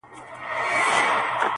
نه مي مخي ته دېوال سي درېدلاى!.